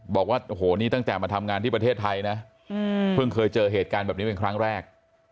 บอกว่าโอ้โหนี่ตั้งแต่มาทำงานที่ประเทศไทยนะเพิ่งเคยเจอเหตุการณ์แบบนี้เป็นครั้งแรก